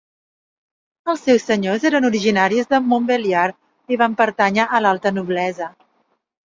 Els seus senyors eren originaris de Montbéliard i van pertànyer a l'alta noblesa.